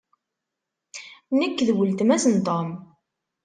Nekk d weltma-s n Tom.